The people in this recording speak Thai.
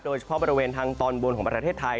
โดยเฉพาะบริเวณทางตอนบนของประเทศไทย